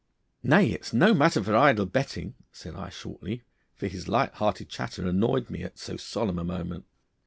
'Nay, it's no matter for idle betting,' said I shortly, for his light hearted chatter annoyed me at so solemn a moment.